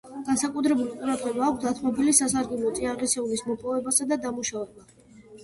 განსაკუთრებული ყურადღება აქვს დათმობილი სასარგებლო წიაღისეულის მოპოვებასა და დამუშავება.